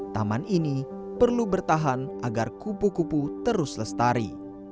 taman ini perlu bertahan agar kupu kupu terus lestari